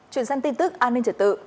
chuyển sang tin tức an ninh trật tự